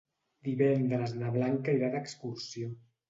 Divendres na Blanca irà d'excursió.